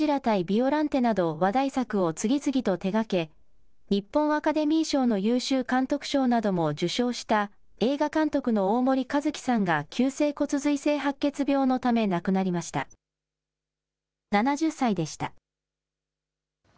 ビオランテなど、話題作を次々と手がけ、日本アカデミー賞の優秀監督賞なども受賞した映画監督の大森一樹さんが急性骨髄性白血病のため亡くなりました。